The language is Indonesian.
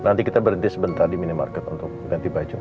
nanti kita berhenti sebentar di minimarket untuk ganti baju